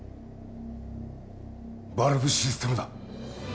バルブシステムだ！